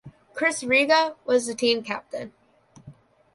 Chris Riga was the team captain.